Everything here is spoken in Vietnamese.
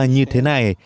như thế này